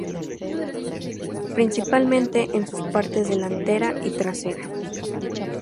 Principalmente en su partes delantera y trasera.